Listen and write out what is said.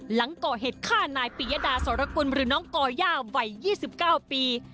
หลังก่อเหตุฆ่านายปิยดาสรกุลหรือน้องก่อย่าวัย๒๙ปี